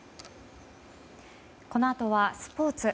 このあとはスポーツ。